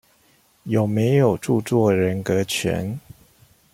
有沒有著作人格權？